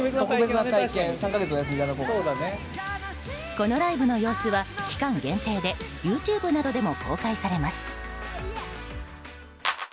このライブの様子は期間限定でＹｏｕＴｕｂｅなどでも公開されます。